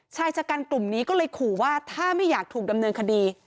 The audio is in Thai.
ชายชะกันกลุ่มนี้ก็เลยขู่ว่าถ้าไม่อยากถูกดำเนินคดี